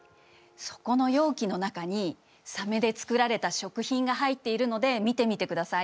そこの容器の中にサメで作られた食品が入っているので見てみてください。